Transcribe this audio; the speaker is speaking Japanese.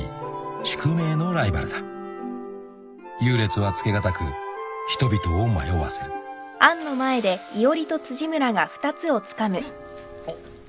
［優劣はつけがたく人々を迷わせる］あっ。